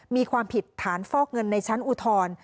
มีความผิดฐานฟอกเงินในชั้นอุทธรณ์